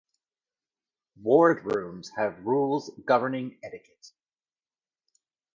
Wardrooms have rules governing etiquette.